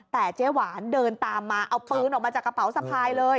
แต่เจ๊หวานเดินตามมาเอาปืนออกมาจากกระเป๋าสะพายเลย